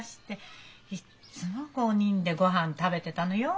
いっつも５人で御飯食べてたのよ。